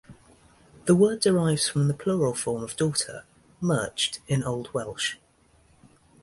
The word derives from the plural form of daughter, "merched", in old Welsh.